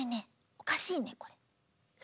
おかしいねこれ。